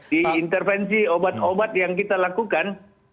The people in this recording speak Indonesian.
di intervensi obat obat yang kita lakukan